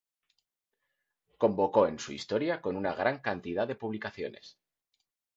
Convocó en su historia con una gran cantidad de publicaciones.